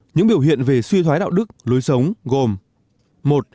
những biểu hiện về suy thoái đạo đức lối sống gồm